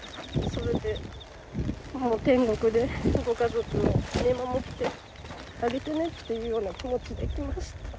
それで、天国でご家族を見守ってあげてねっていうような気持ちで来ました。